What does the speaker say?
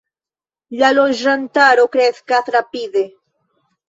La loĝantaro kreskas rapide.